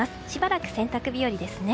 しばらく洗濯日和ですね。